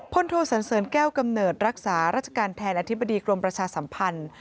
โทสันเสริญแก้วกำเนิดรักษาราชการแทนอธิบดีกรมประชาสัมพันธ์